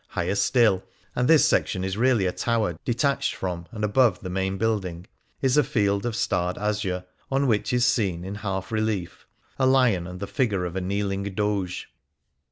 Higher still — ^and this section is really a tower, detached from, and above, the main building — is a field of starred azure on which is seen, in half relief, a lion and the figure of a kneeling Doge.